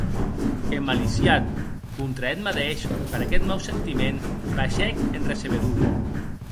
Emmaliciat contra eth madeish per aqueth mau sentiment, baishèc en recebedor.